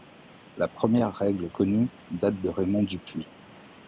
La première règle connue date de Raymond du Puy.